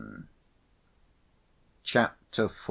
Chapter IV.